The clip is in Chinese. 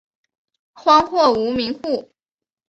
荒或无民户。